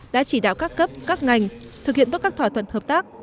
đã chỉ đạo các cấp các ngành thực hiện tốt các thỏa thuận hợp tác